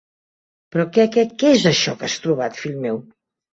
Però què, què, què és això que has trobat, fill meu?